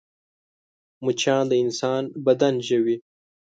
مچان د انسان بدن ژوي